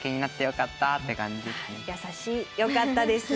よかったです。